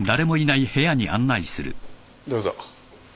どうぞ。